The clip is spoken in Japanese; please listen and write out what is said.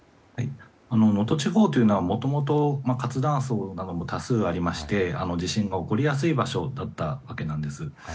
能登地方というのはもともと活断層なども多数ありまして地震が起こりやすい場所だったわけなんです。